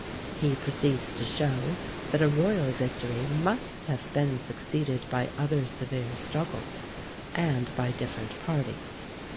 He proceeds to show, that a royal victory must have been succeeded by other severe struggles, and by different parties.